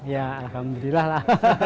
ya alhamdulillah lah